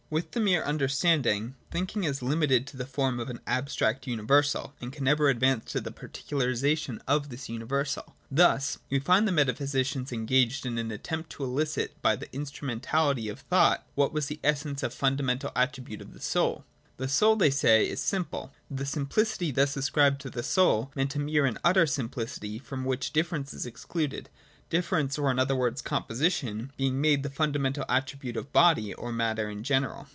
With the mere understanding, thinking is limited to the form of an abstract universal, and can never advance to the particu larisation of this universal. Thus we find the metaphysicians engaged in an attempt to elicit by the instrumentality of 37, 38 J EMPIRICISM. 77 thought, what was the essence or fundamental attribute of the Soul. The Soul, they said, is simple. The simplicity thus ascribed to the Soul meant a mere and utter simplicity, from which difference is excluded : difference, or in other words composition, being made the fundamental attribute of body, or of matter in general.